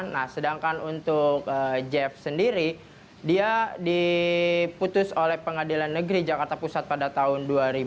nah sedangkan untuk jeff sendiri dia diputus oleh pengadilan negeri jakarta pusat pada tahun dua ribu